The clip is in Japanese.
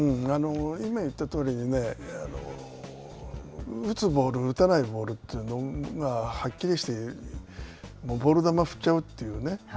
今言ったとおり、打つボール、打たないボールというのがはっきりして、ボール球を振っちゃうというね。